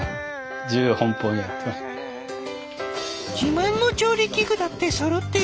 自慢の調理器具だってそろってる。